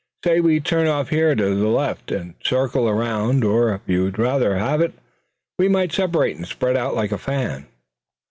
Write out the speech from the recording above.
Say we turn off here to the left, and circle around. Or if you would rather have it, we might separate and spread out like a fan."